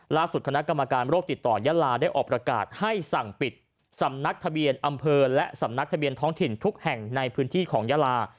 คณะกรรมการโรคติดต่อยาลาได้ออกประกาศให้สั่งปิดสำนักทะเบียนอำเภอและสำนักทะเบียนท้องถิ่นทุกแห่งในพื้นที่ของยาลา